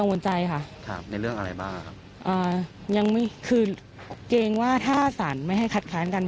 กังวลใจค่ะค่ะในเรื่องอะไรบ้างอ่ายังไม่คือเกรงว่าท่าสรรไม่ให้คัดคล้านกัน